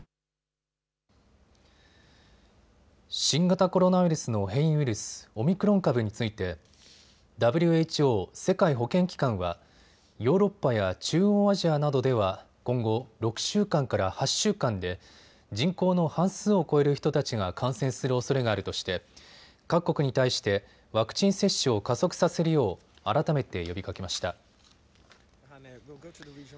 新型コロナウイルスの変異ウイルス、オミクロン株についてＷＨＯ・世界保健機関はヨーロッパや中央アジアなどでは今後、６週間から８週間で人口の半数を超える人たちが感染するおそれがあるとして各国に対してワクチン接種を加速させるよう改めて呼びかけました。